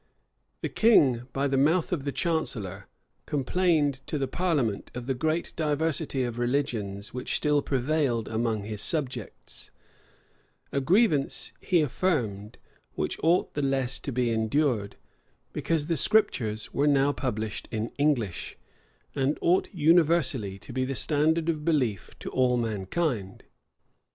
The king, by the mouth of the chancellor, complained to the parliament of the great diversity of religions which still prevailed among his subjects; a grievance, he affirmed, which ought the less to be endured, because the Scriptures were now published in English, and ought universally to be the standard of belief to all mankind.